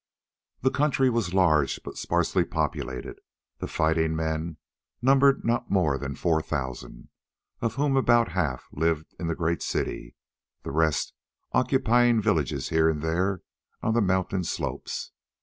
The country was large but sparsely populated, the fighting men numbered not more than four thousand, of whom about half lived in the great city, the rest occupying villages here and there on the mountain slopes.